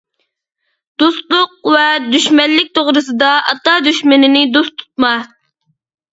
دوستلۇق ۋە دۈشمەنلىك توغرىسىدا ئاتا دۈشمىنىنى دوست تۇتما.